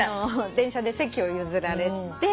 電車で席を譲られて。